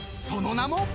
その名も］